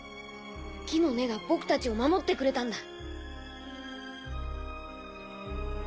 木の根が僕たちを守ってくれたんだ。